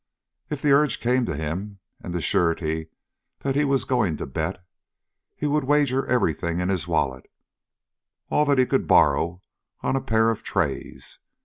If the urge came to him, and the surety that he was going to bet, he would wager everything in his wallet, all that he could borrow, on a pair of treys.